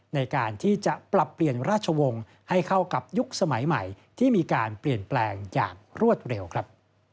ในการที่จะปรับเปลี่ยนราชวงศ์ให้เข้ากับยุคสมัยใหม่ที่มีการเปลี่ยนแปลงอย่างรวดเร็วครับ